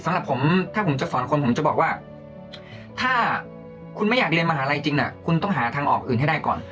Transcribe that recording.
สำหรับผมถ้าผมจะสอนคนผมจะบอกว่าถ้าคุณไม่อยากเรียนมหาลัยจริงคุณต้องหาทางออกอื่นให้ได้ก่อน